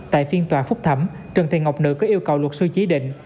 tại phiên tòa phúc thẩm trần thị ngọc nữ có yêu cầu luật sư chí định